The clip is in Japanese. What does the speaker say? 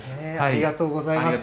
ありがとうございます。